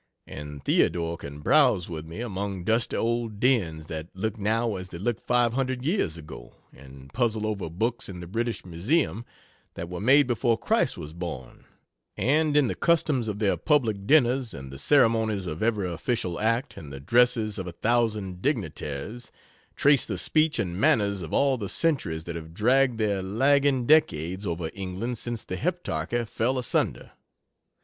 and Theodore can browse with me among dusty old dens that look now as they looked five hundred years ago; and puzzle over books in the British Museum that were made before Christ was born; and in the customs of their public dinners, and the ceremonies of every official act, and the dresses of a thousand dignitaries, trace the speech and manners of all the centuries that have dragged their lagging decades over England since the Heptarchy fell asunder.